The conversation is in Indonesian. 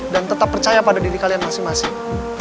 dan tetap percaya pada diri kalian masing masing